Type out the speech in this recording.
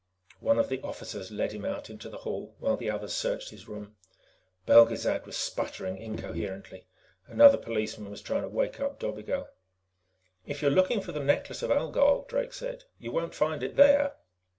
One of the officers led him out into the hall while the others searched his room. Belgezad was sputtering incoherently. Another policeman was trying to wake up Dobigel. "If you're looking for the Necklace of Algol," Drake said, "you won't find it there."